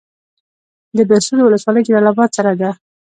د بهسودو ولسوالۍ جلال اباد سره ده